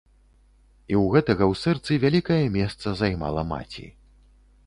І ў гэтага ў сэрцы вялікае месца займала маці.